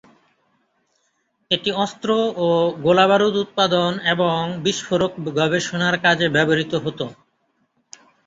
এটি অস্ত্র ও গোলাবারুদ উৎপাদন এবং বিস্ফোরক গবেষণার কাজে ব্যবহৃত হত।